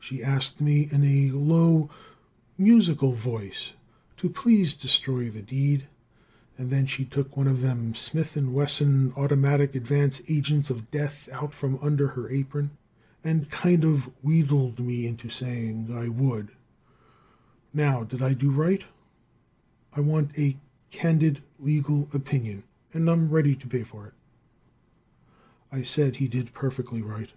She asked me in a low, musical voice to please destroy the deed, and then she took one of them Smith & Wesson automatic advance agents of death out from under her apron and kind of wheedled me into saying I would. Now, did I do right? I want a candid, legal opinion, and I'm ready to pay for it." I said he did perfectly right.